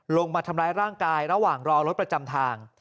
ลงมาทำร้ายร่างกายระหว่างรอรถประจำทาง